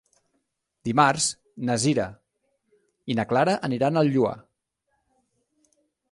Dimarts na Sira i na Clara aniran al Lloar.